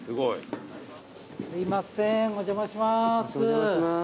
すいませんお邪魔します。